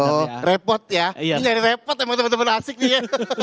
oh repot ya ini repot emang temen temen asik nih ya